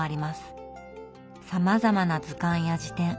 さまざまな図鑑や事典。